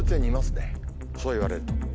そういわれると。